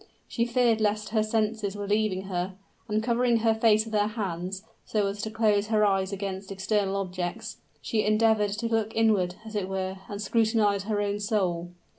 She feared lest her senses were leaving her: and, covering her face with her hands, so as to close her eyes against external objects, she endeavored to look inward, as it were, and scrutinize her own soul.